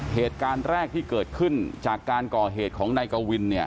เหตุการณ์แรกที่เกิดขึ้นจากการก่อเหตุของนายกวิน